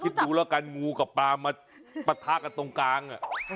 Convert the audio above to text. คิดดูแล้วกันงูกับปลามาปะทะกันตรงกลาง